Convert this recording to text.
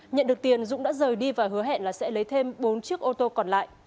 nhận được tiền dũng đã rời đi và hứa hẹn là sẽ lấy thêm bốn chiếc ô tô còn lại